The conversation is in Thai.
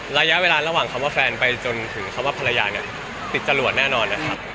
ระยะเวลาระหว่างคำว่าแฟนไปจนถึงคำว่าภรรยาเนี่ยติดจรวดแน่นอนนะครับ